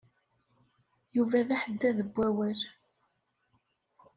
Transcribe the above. Yuba d aḥeddad n wawal.